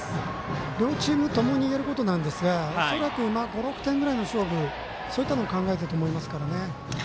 両チームともにいえることなんですが恐らく５６点ぐらいの勝負そういったことを考えていると思います。